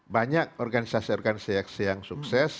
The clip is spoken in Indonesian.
banyak organisasi organisasi yang sukses